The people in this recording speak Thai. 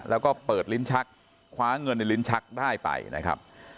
แล้วก็เปิดลิ้นชักคว้าเงินในลิ้นชักได้ไปนะครับ